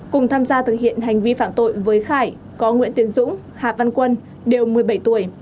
cùng tham gia thực hiện hành vi phạm tội với khải có nguyễn tiến dũng hà văn quân đều một mươi bảy tuổi